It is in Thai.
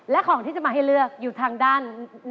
และของที่จะมาให้เลือกอยู่ทางด้าน